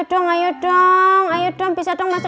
jangan sampai ini anaknya ricky